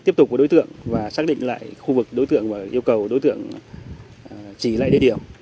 tiếp tục với đối tượng và xác định lại khu vực đối tượng và yêu cầu đối tượng chỉ lại địa điểm